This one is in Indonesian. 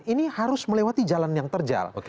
ini harus melewati jalan yang terjal